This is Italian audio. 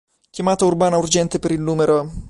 Chiamata urbana urgente per il numero...